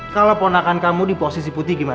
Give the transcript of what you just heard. kalau ponakan kamu diposisi sama kakaknya itu apa